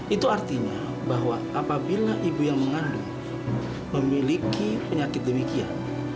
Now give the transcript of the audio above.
itu artinya bahwa apabila ibu yang mengandung memiliki penyakit demikian